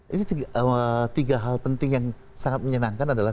ini tiga hal penting yang sangat menyenangkan adalah